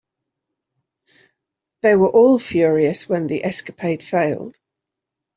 They were all furious when the escapade failed.